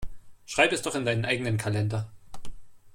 Schreib es doch in deinen eigenen Kalender.